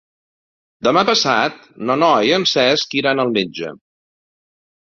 Demà passat na Noa i en Cesc iran al metge.